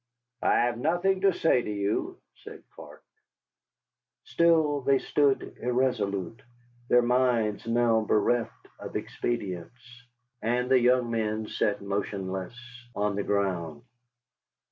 "I have nothing to say to you," said Clark. Still they stood irresolute, their minds now bereft of expedients. And the young men sat motionless on the ground.